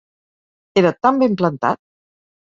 Era tan ben plantat!